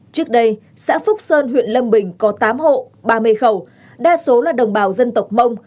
trước đây xã phúc sơn huyện lâm bình có tám hộ ba mươi khẩu đa số là đồng bào dân tộc mông